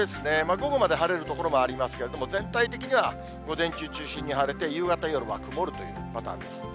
午後まで晴れる所もありますけれども、全体的には午前中中心に晴れて、夕方、夜は曇るというパターンです。